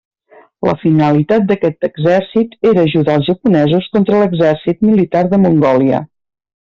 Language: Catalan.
La finalitat d'aquest exèrcit era ajudar els japonesos contra l'exèrcit militar de Mongòlia.